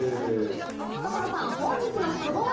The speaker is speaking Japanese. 所さん本日のツボは？